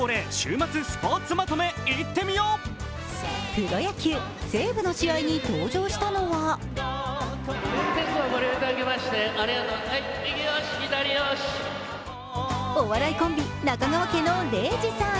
プロ野球、西武の試合に登場したのはお笑いコンビ、中川家の礼二さん。